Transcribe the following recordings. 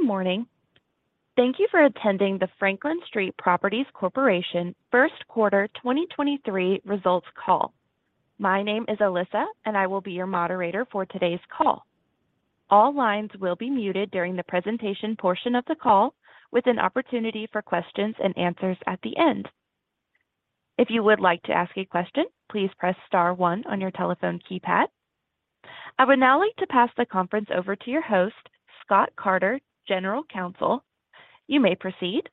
Good morning. Thank you for attending the Franklin Street Properties Corp. First Quarter 2023 results call. My name is Alyssa, and I will be your moderator for today's call. All lines will be muted during the presentation portion of the call, with an opportunity for questions and answers at the end. If you would like to ask a question, please press star one on your telephone keypad. I would now like to pass the conference over to your host, Scott Carter, General Counsel. You may proceed.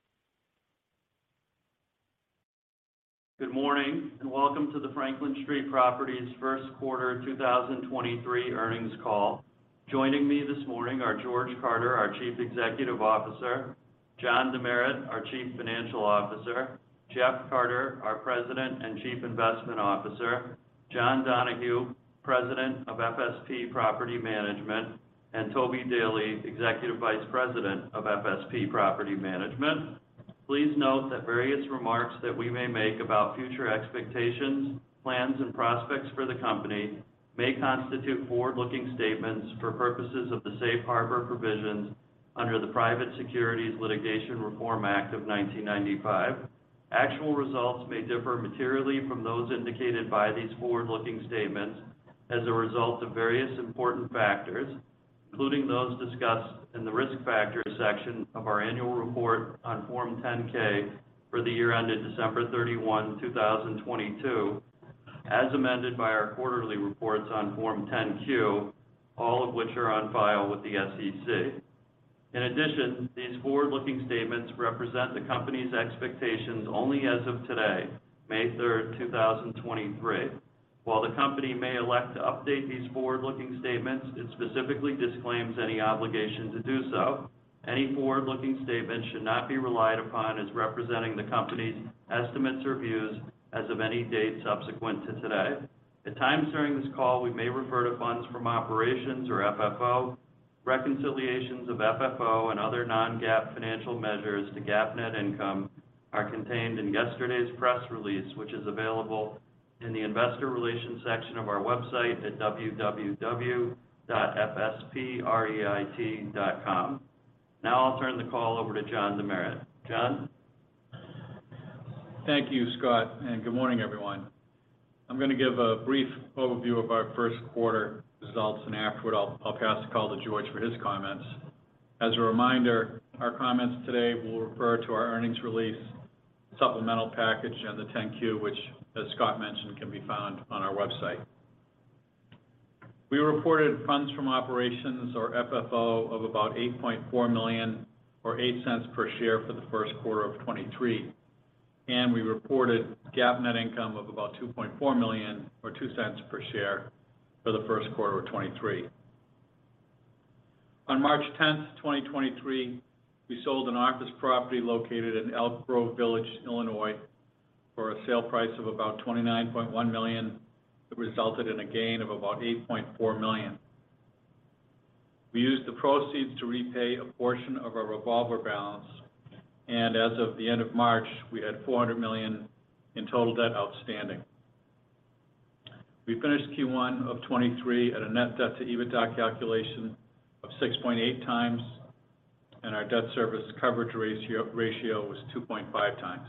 Good morning and welcome to the Franklin Street Properties First Quarter 2023 earnings call. Joining me this morning are George Carter, our Chief Executive Officer, John DeMeritt, our Chief Financial Officer, Jeff Carter, our President and Chief Investment Officer, John Donahue, President of FSP Property Management, and Toby Daley, Executive Vice President of FSP Property Management. Please note that various remarks that we may make about future expectations, plans, and prospects for the company may constitute forward-looking statements for purposes of the safe harbor provisions under the Private Securities Litigation Reform Act of 1995. Actual results may differ materially from those indicated by these forward-looking statements as a result of various important factors, including those discussed in the Risk Factors section of our annual report on Form 10-K for the year ended December 31, 2022, as amended by our quarterly reports on Form 10-Q, all of which are on file with the SEC. In addition, these forward-looking statements represent the company's expectations only as of today, May 3, 2023. While the company may elect to update these forward-looking statements, it specifically disclaims any obligation to do so. Any forward-looking statements should not be relied upon as representing the company's estimates or views as of any date subsequent to today. At times during this call, we may refer to funds from operations, or FFO. Reconciliations of FFO and other non-GAAP financial measures to GAAP net income are contained in yesterday's press release, which is available in the Investor Relations section of our website at www.fspreit.com. I'll turn the call over to John DeMeritt. John. Thank you, Scott. Good morning, everyone. I'm going to give a brief overview of our first quarter results, and afterward I'll pass the call to George for his comments. As a reminder, our comments today will refer to our earnings release supplemental package and the 10-Q, which, as Scott mentioned, can be found on our website. We reported funds from operations, or FFO, of about $8.4 million or $0.08 per share for the first quarter of 2023, and we reported GAAP net income of about $2.4 million or $0.02 per share for the first quarter of 2023. On March 10, 2023, we sold an office property located in Elk Grove Village, Illinois, for a sale price of about $29.1 million. It resulted in a gain of about $8.4 million. We used the proceeds to repay a portion of our revolver balance, and as of the end of March, we had $400 million in total debt outstanding. We finished Q1 of 2023 at a net debt to EBITDA calculation of 6.8x, and our debt service coverage ratio was 2.5x.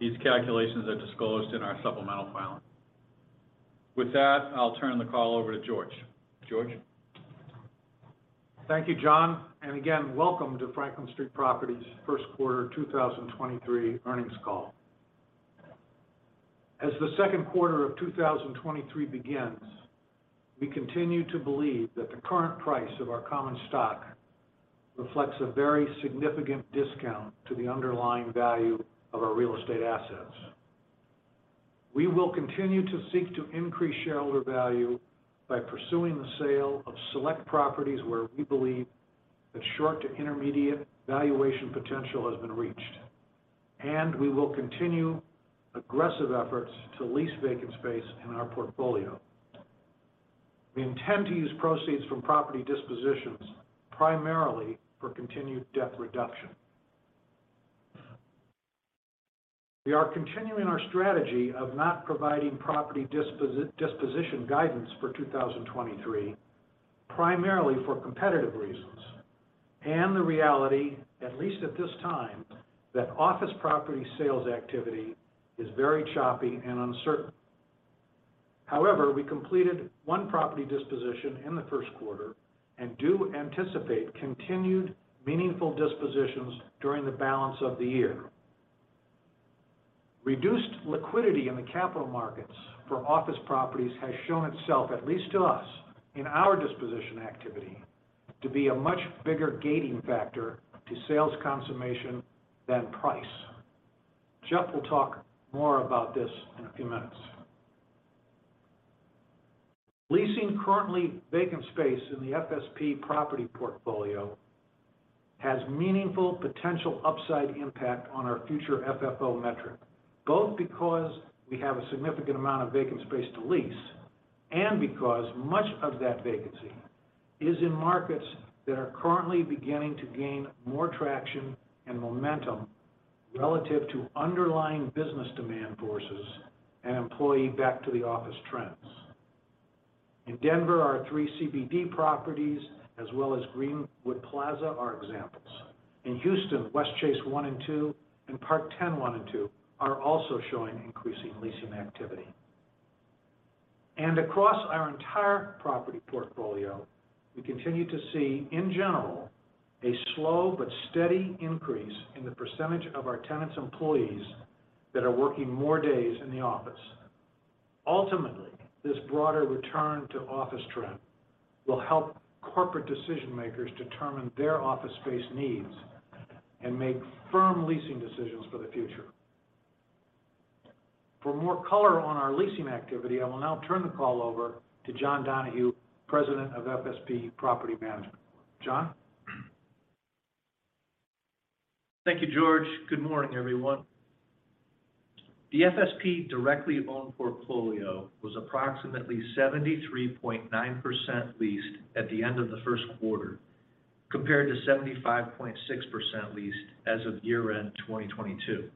These calculations are disclosed in our supplemental filing. With that, I'll turn the call over to George. George. Thank you, John, again, welcome to Franklin Street Properties First Quarter 2023 earnings call. As the second quarter of 2023 begins, we continue to believe that the current price of our common stock reflects a very significant discount to the underlying value of our real estate assets. We will continue to seek to increase shareholder value by pursuing the sale of select properties where we believe that short to intermediate valuation potential has been reached, we will continue aggressive efforts to lease vacant space in our portfolio. We intend to use proceeds from property disposition primarily for continued debt reduction. We are continuing our strategy of not providing property disposition guidance for 2023, primarily for competitive reasons and the reality, at least at this time, that office property sales activity is very choppy and uncertain. However, we completed one property disposition in the first quarter and do anticipate continued meaningful dispositions during the balance of the year. Reduced liquidity in the capital markets for office properties has shown itself, at least to us in our disposition activity, to be a much bigger gating factor to sales consummation than price. Jeff will talk more about this in a few minutes. Leasing currently vacant space in the FSP property portfolio has meaningful potential upside impact on our future FFO metric, both because we have a significant amount of vacant space to lease and because much of that vacancy is in markets that are currently beginning to gain more traction and momentum relative to underlying business demand forces and employee back to the office trends. In Denver, our three CBD properties as well as Greenwood Plaza are examples. In Houston, Westchase one and two and Park Ten one and two are also showing increasing leasing activity. Across our entire property portfolio, we continue to see, in general, a slow but steady increase in the percentage of our tenants' employees that are working more days in the office. Ultimately, this broader return to office trend will help corporate decision makers determine their office space needs and make firm leasing decisions for the future. For more color on our leasing activity, I will now turn the call over to John Donahue, President of FSP Property Management. John. Thank you, George. Good morning, everyone. The FSP directly owned portfolio was approximately 73.9% leased at the end of the first quarter, compared to 75.6% leased as of year-end 2022.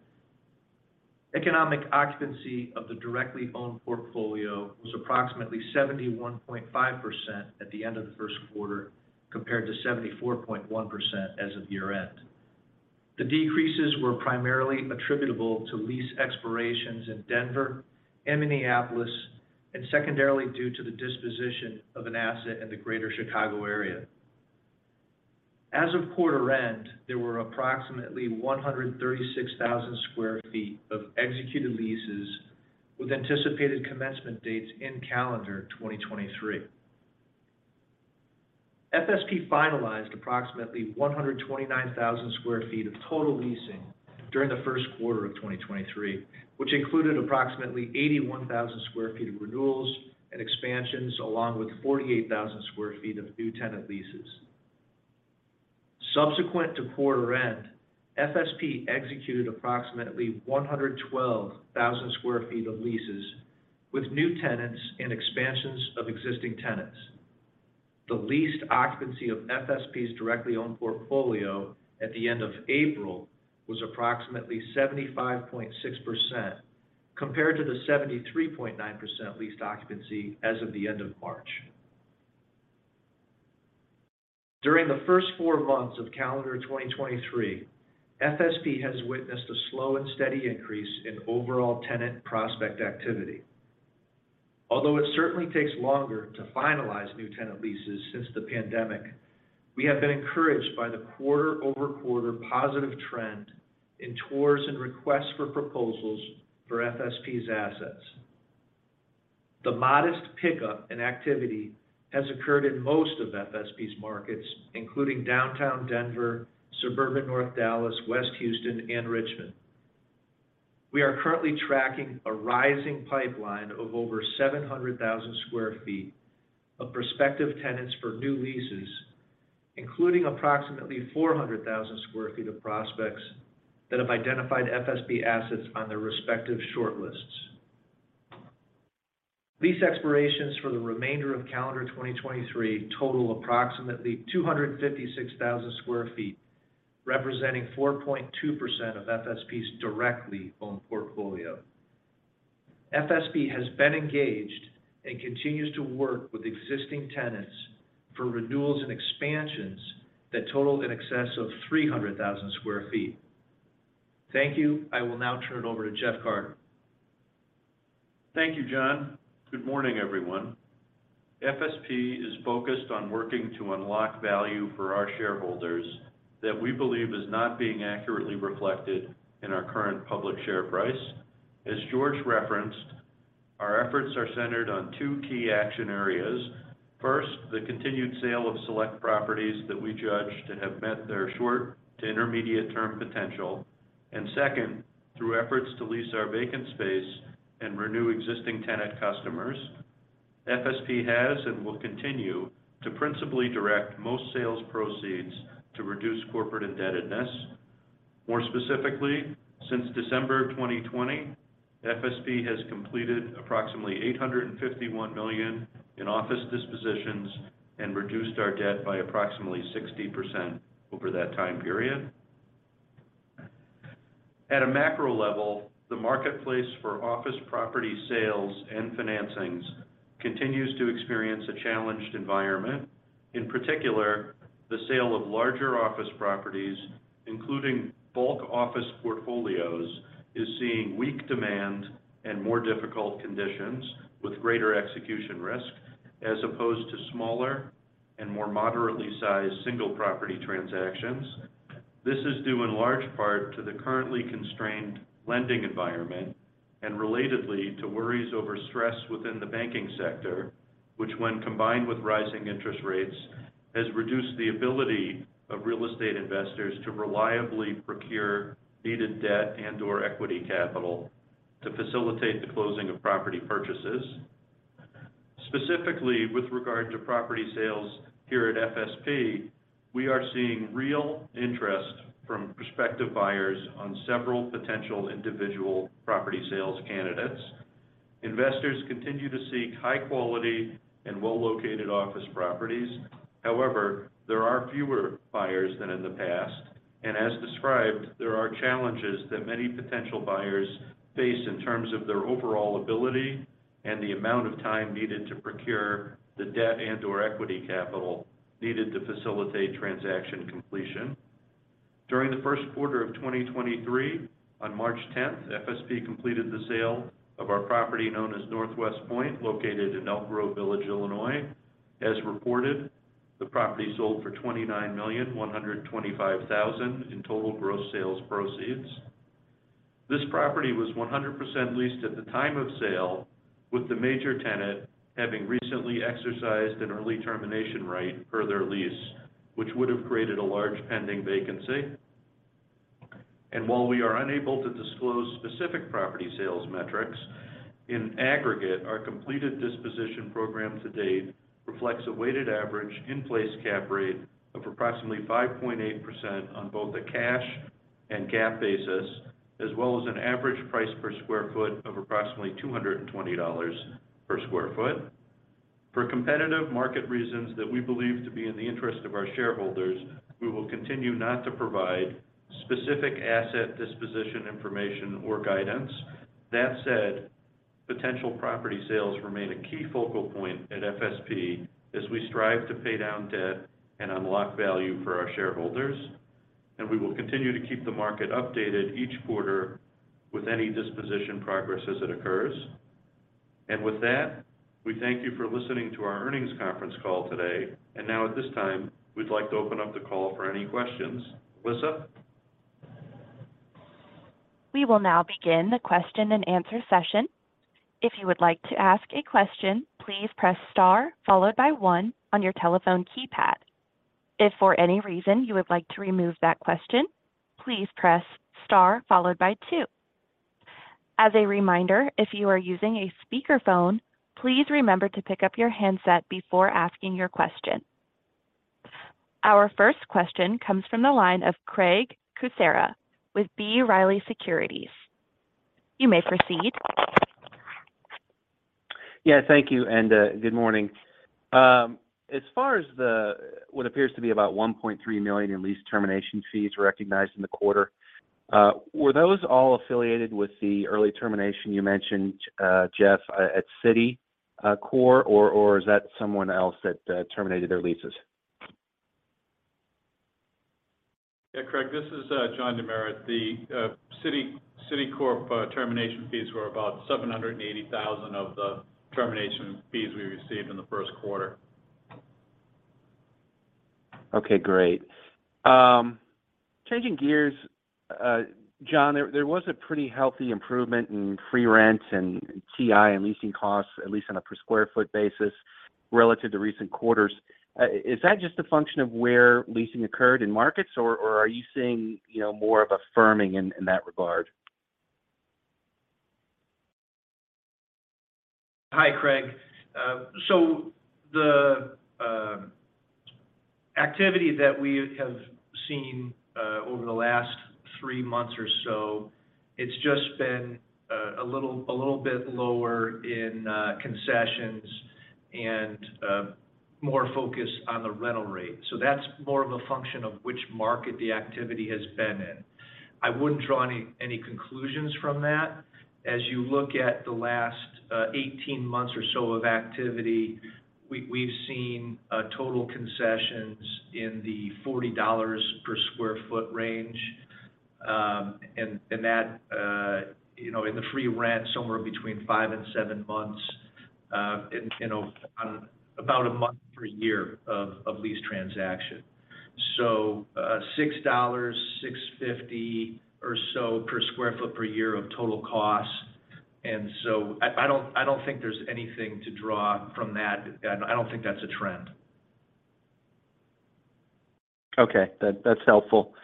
Economic occupancy of the directly owned portfolio was approximately 71.5% at the end of the first quarter, compared to 74.1% as of year-end. The decreases were primarily attributable to lease expirations in Denver and Minneapolis, and secondarily due to the disposition of an asset in the Greater Chicago area. As of quarter end, there were approximately 136,000 sq ft of executed leases with anticipated commencement dates in calendar 2023. FSP finalized approximately 129,000 sq ft of total leasing during the first quarter of 2023, which included approximately 81,000 sq ft of renewals and expansions, along with 48,000 sq ft of new tenant leases. Subsequent to quarter end, FSP executed approximately 112,000 sq ft of leases with new tenants and expansions of existing tenants. The leased occupancy of FSP's directly owned portfolio at the end of April was approximately 75.6% compared to the 73.9% leased occupancy as of the end of March. During the first four months of calendar 2023, FSP has witnessed a slow and steady increase in overall tenant prospect activity. Although it certainly takes longer to finalize new tenant leases since the pandemic, we have been encouraged by the quarter-over-quarter positive trend in tours and requests for proposals for FSP's assets. The modest pickup in activity has occurred in most of FSP's markets, including downtown Denver, suburban North Dallas, West Houston and Richmond. We are currently tracking a rising pipeline of over 700,000 sq ft of prospective tenants for new leases, including approximately 400,000 sq ft of prospects that have identified FSP assets on their respective shortlists. Lease expirations for the remainder of calendar 2023 total approximately 256,000 sq ft, representing 4.2% of FSP's directly owned portfolio. FSP has been engaged and continues to work with existing tenants for renewals and expansions that total in excess of 300,000 sq ft. Thank you. I will now turn it over to Jeff Carter. Thank you, John. Good morning, everyone. FSP is focused on working to unlock value for our shareholders that we believe is not being accurately reflected in our current public share price. As George referenced, our efforts are centered on two key action areas. First, the continued sale of select properties that we judge to have met their short to intermediate term potential. Second, through efforts to lease our vacant space and renew existing tenant customers. FSP has and will continue to principally direct most sales proceeds to reduce corporate indebtedness. More specifically, since December 2020, FSP has completed approximately $851 million in office dispositions and reduced our debt by approximately 60% over that time period. At a macro level, the marketplace for office property sales and financings continues to experience a challenged environment. In particular, the sale of larger office properties, including bulk office portfolios, is seeing weak demand and more difficult conditions with greater execution risk, as opposed to smaller and more moderately sized single property transactions. This is due in large part to the currently constrained lending environment and relatedly to worries over stress within the banking sector, which when combined with rising interest rates, has reduced the ability of real estate investors to reliably procure needed debt and or equity capital to facilitate the closing of property purchases. Specifically with regard to property sales here at FSP, we are seeing real interest from prospective buyers on several potential individual property sales candidates. Investors continue to seek high quality and well-located office properties. However, there are fewer buyers than in the past. As described, there are challenges that many potential buyers face in terms of their overall ability and the amount of time needed to procure the debt and or equity capital needed to facilitate transaction completion. During the first quarter of 2023, on March 10th, FSP completed the sale of our property known as Northwest Point, located in Elk Grove Village, Illinois. As reported, the property sold for $29,125,000 in total gross sales proceeds. This property was 100% leased at the time of sale, with the major tenant having recently exercised an early termination right per their lease, which would have created a large pending vacancy. While we are unable to disclose specific property sales metrics, in aggregate, our completed disposition program to date reflects a weighted average in place cap rate of approximately 5.8% on both a cash and GAAP basis, as well as an average price per sq ft of approximately $220 per sq ft. For competitive market reasons that we believe to be in the interest of our shareholders, we will continue not to provide specific asset disposition information or guidance. That said, potential property sales remain a key focal point at FSP as we strive to pay down debt and unlock value for our shareholders. We will continue to keep the market updated each quarter with any disposition progress as it occurs. With that, we thank you for listening to our earnings conference call today. Now at this time, we'd like to open up the call for any questions. Alyssa? We will now begin the question and answer session. If you would like to ask a question, please press star followed by one on your telephone keypad. If for any reason you would like to remove that question, please press star followed by two. As a reminder, if you are using a speakerphone, please remember to pick up your handset before asking your question. Our first question comes from the line of Craig Kucera with B. Riley Securities. You may proceed. Thank you, and good morning. As far as what appears to be about $1.3 million in lease termination fees recognized in the quarter, were those all affiliated with the early termination you mentioned, Jeff, at Citicorp, or is that someone else that terminated their leases? Yeah, Craig, this is John DeMeritt. The Citicorp termination fees were about $780,000 of the termination fees we received in the first quarter. Okay, great. Changing gears, John, there was a pretty healthy improvement in free rent and TI and leasing costs, at least on a per square foot basis, relative to recent quarters. Is that just a function of where leasing occurred in markets, or are you seeing, you know, more of a firming in that regard? Hi, Craig. The activity that we have seen over the last three months or so, it's just been a little bit lower in concessions and more focused on the rental rate. That's more of a function of which market the activity has been in. I wouldn't draw any conclusions from that. As you look at the last 18 months or so of activity, we've seen total concessions in the $40 per sq ft range. And that, you know, in the free rent, somewhere between five and seven months, you know, on about one month per year of lease transaction. $6, $6.50 or so per sq ft per year of total cost. I don't think there's anything to draw from that. I don't think that's a trend. Okay. That's helpful.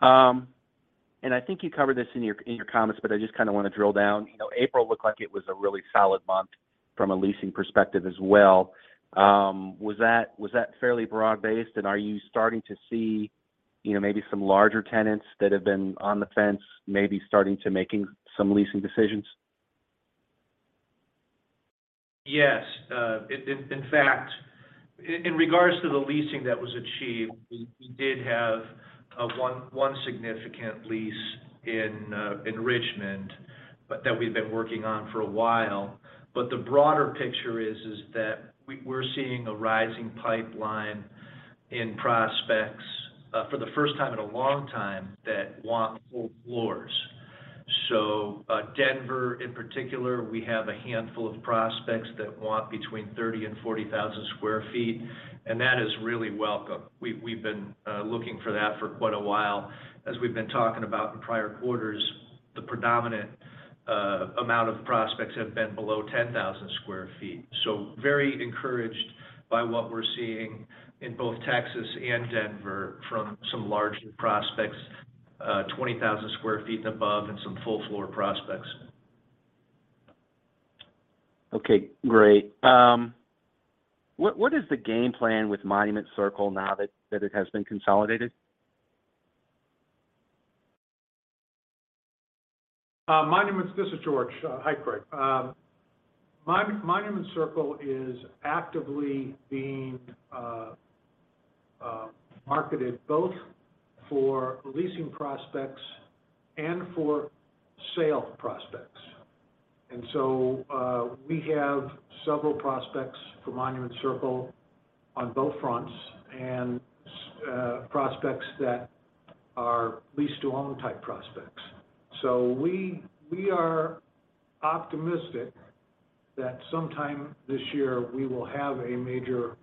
I think you covered this in your, in your comments, but I just kind of want to drill down. You know, April looked like it was a really solid month from a leasing perspective as well. Was that fairly broad-based? Are you starting to see, you know, maybe some larger tenants that have been on the fence maybe starting to making some leasing decisions? Yes. In fact, in regards to the leasing that was achieved, we did have one significant lease in Richmond that we've been working on for a while. The broader picture is that we're seeing a rising pipeline in prospects for the first time in a long time that want full floors. Denver, in particular, we have a handful of prospects that want between 30,000 and 40,000 sq ft, and that is really welcome. We've been looking for that for quite a while. As we've been talking about in prior quarters, the predominant amount of prospects have been below 10,000 sq ft. Very encouraged by what we're seeing in both Texas and Denver from some larger prospects, 20,000 sq ft and above and some full floor prospects. Okay, great. What is the game plan with Monument Circle now that it has been consolidated? Monument. This is George. Hi, Craig. Monument Circle is actively being marketed both for leasing prospects and for sale prospects. We have several prospects for Monument Circle on both fronts and prospects that are lease-to-own type prospects. We are optimistic that sometime this year, we will have a major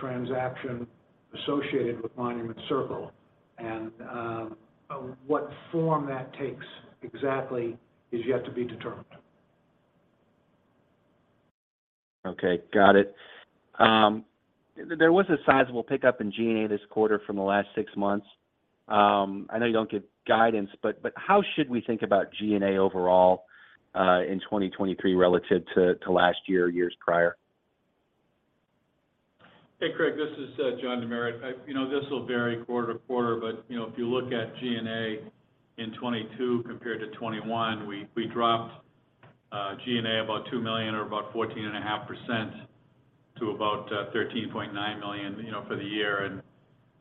transaction associated with Monument Circle and what form that takes exactly is yet to be determined. Okay. Got it. There was a sizable pickup in G&A this quarter from the last six months. I know you don't give guidance, but how should we think about G&A overall in 2023 relative to last year or years prior? Hey, Craig, this is John DeMeritt. You know, this will vary quarter to quarter, but, you know, if you look at G&A in 2022 compared to 2021, we dropped G&A about $2 million or about 14.5% to about $13.9 million, you know, for the year.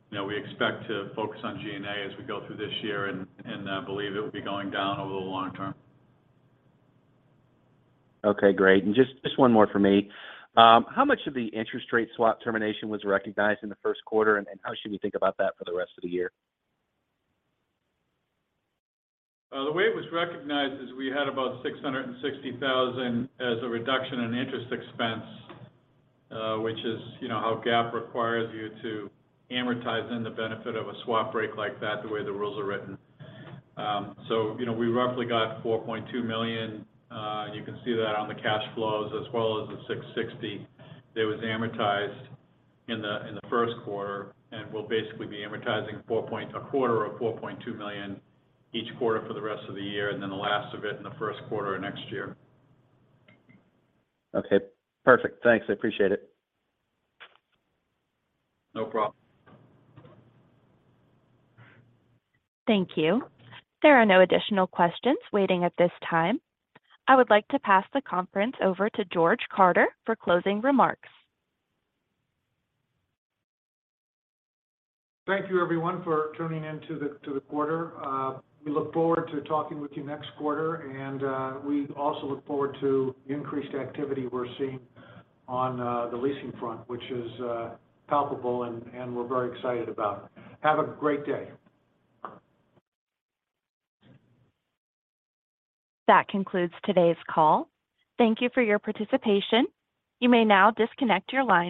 You know, we expect to focus on G&A as we go through this year and believe it will be going down over the long term. Okay. Great. Just one more from me. How much of the interest rate swap termination was recognized in the first quarter, and how should we think about that for the rest of the year? The way it was recognized is we had about $660,000 as a reduction in interest expense, which is, you know, how GAAP requires you to amortize in the benefit of a swap break like that, the way the rules are written. You know, we roughly got $4.2 million. You can see that on the cash flows as well as the $660,000 that was amortized in the first quarter. We'll basically be amortizing a quarter of $4.2 million each quarter for the rest of the year, and then the last of it in the first quarter of next year. Okay. Perfect. Thanks. I appreciate it. No problem. Thank you. There are no additional questions waiting at this time. I would like to pass the conference over to George Carter for closing remarks. Thank you everyone for tuning in to the quarter. We look forward to talking with you next quarter. We also look forward to increased activity we're seeing on the leasing front, which is palpable and we're very excited about. Have a great day. That concludes today's call. Thank you for your participation. You may now disconnect your line.